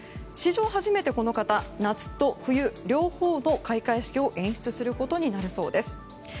史上初めて、この方夏と冬、両方の開会式を演出することになるそうです。